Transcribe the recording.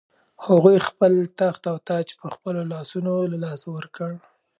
هغوی خپل تخت او تاج په خپلو لاسونو له لاسه ورکړ.